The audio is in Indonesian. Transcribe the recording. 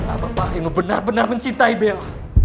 apa pak ilmu benar benar mencintai bella